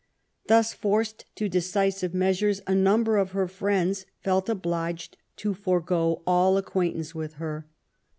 Thus forced to decisive measures, a num ber of her friends felt obliged to forego all acquaintance with her.